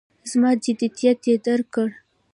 زما جدیت یې درک کړ.